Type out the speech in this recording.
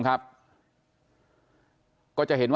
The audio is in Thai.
สวัสดีคุณผู้ชมนุม